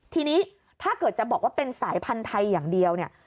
ทีนี้ถ้าเกิดจะบอกว่าเป็นสายพันธุ์ไทยอย่างเดียวเนี่ย